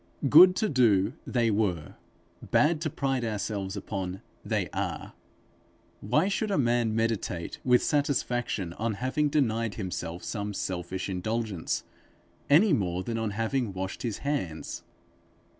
Good to do, they were; bad to pride ourselves upon, they are. Why should a man meditate with satisfaction on having denied himself some selfish indulgence, any more than on having washed his hands?